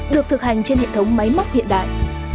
được thực hành trên hệ thống máy móc hiện đại